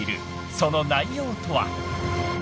［その内容とは］